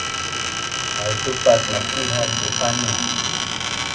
Altupat macihal diqanin